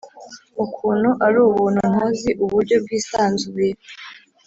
ukuntu ari ubuntu, ntuzi uburyo bwisanzuye --—